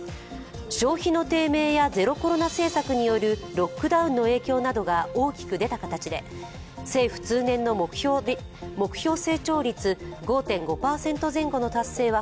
消費の低迷やゼロコロナ政策によるロックダウンの影響などが大きく出た形で、政府通年の目標成長率５．５％前後の達成は